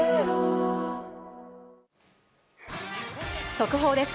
速報です。